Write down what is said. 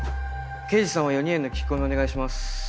刑事さんは４人への聞き込みお願いします。